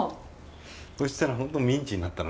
そしたら本当ミンチになったの。